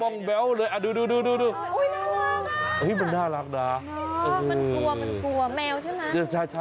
นี่คุณน่ารักมากเลยอ่ะ